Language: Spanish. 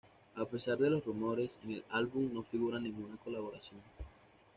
A pesar de los rumores, en el álbum no figura ninguna colaboración.